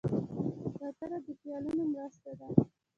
کوتره د خیالونو مرغه ده.